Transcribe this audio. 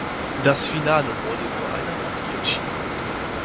Das Finale wurde in nur einer Partie entschieden.